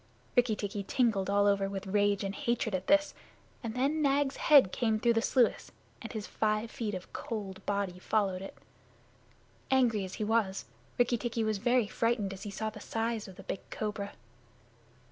Rikki tikki tingled all over with rage and hatred at this, and then Nag's head came through the sluice, and his five feet of cold body followed it. Angry as he was, Rikki tikki was very frightened as he saw the size of the big cobra.